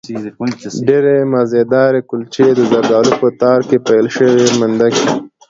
ډېرې مزهدارې کلچې، د زردالو په تار کې پېل شوې مندکې